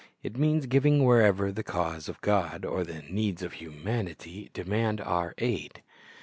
It means giving wherever the cause of God or the needs of humanity demand our aid.